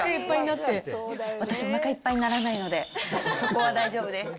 私、おなかいっぱいにならないので、そこは大丈夫です。